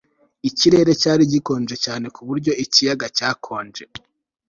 ikirere cyari gikonje cyane ku buryo ikiyaga cyakonje